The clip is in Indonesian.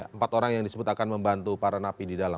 empat orang yang disebut akan membantu para napi di dalam